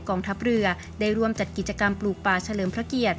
กองทัพเรือได้ร่วมจัดกิจกรรมปลูกป่าเฉลิมพระเกียรติ